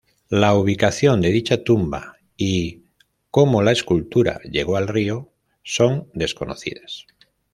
La ubicación de dicha tumba y cómo la escultura llegó al río son desconocidas.